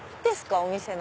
お店の。